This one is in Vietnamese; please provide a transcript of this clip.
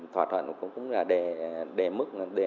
thỏa thuận cũng là đề mức